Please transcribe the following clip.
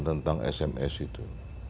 tentang sms itu